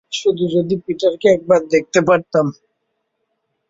শুধু যদি পিটারকে একবার দেখতে পারতাম।